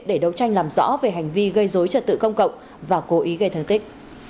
để đấu tranh làm rõ về hành vi gây dối trật tự công cộng và cố ý gây thương tích